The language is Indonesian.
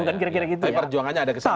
tapi perjuangannya ada kesana